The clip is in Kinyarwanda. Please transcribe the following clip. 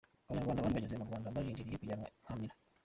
Abanyarwanda bari bageze mu Rwanda barindiriye kujyanwa Nkamira.